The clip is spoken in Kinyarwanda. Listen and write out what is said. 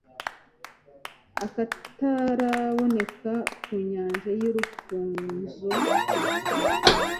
akataraboneka ku nyanja y'urufunzo